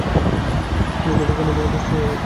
ছেলে দুটিকে আনবার ব্যবস্থা করে দেব।